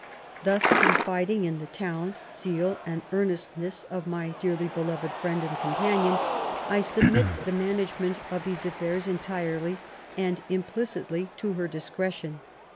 ... Thus confiding in the talent, zeal, and earnestness of my dearly beloved friend and companion, I submit the management of these affairs entirely and implicitly to her discretion.